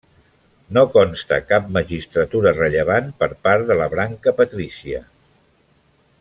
No consta cap magistratura rellevant per part de la branca patrícia.